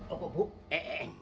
oh bu bu